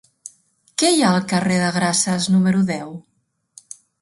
Què hi ha al carrer de Grases número deu?